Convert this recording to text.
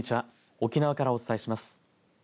沖縄からお伝えします。